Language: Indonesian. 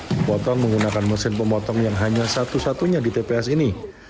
dipotong menggunakan mesin pemotong yang hanya satu satunya di tps ini